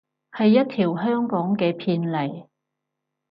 係一條香港嘅片嚟